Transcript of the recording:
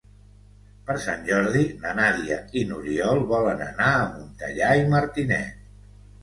Per Sant Jordi na Nàdia i n'Oriol volen anar a Montellà i Martinet.